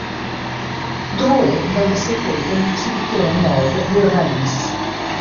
Drouet venne sepolto nel cimitero nord di Reims.